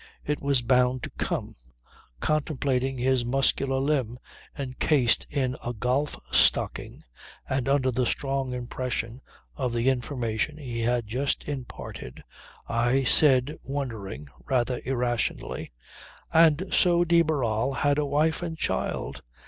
It was bound to come. Contemplating his muscular limb encased in a golf stocking, and under the strong impression of the information he had just imparted I said wondering, rather irrationally: "And so de Barral had a wife and child!